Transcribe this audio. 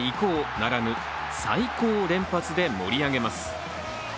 ならぬサイコウ連発で盛り上げます。